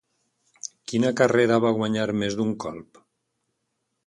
Quina carrera va guanyar més d'un cop?